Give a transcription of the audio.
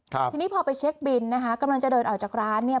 ทีนี้พอไปเช็คบินนะคะกำลังจะเดินออกจากร้านเนี่ย